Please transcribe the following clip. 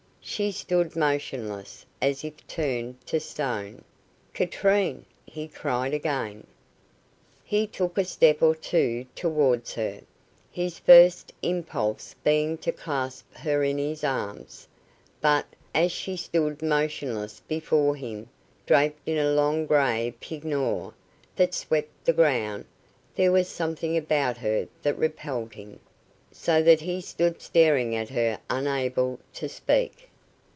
She stood motionless, as if turned to stone. "Katrine!" he cried again. He took a step or two towards her, his first impulse being to clasp her in his arms; but, as she stood motionless before him, draped in a long grey peignoir that swept the ground, there was something about her that repelled him, so that he stood staring at her unable to speak.